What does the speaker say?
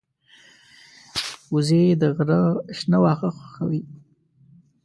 وزې د غره شنه خواړه خوښوي